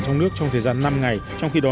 trong nước trong thời gian năm ngày trong khi đó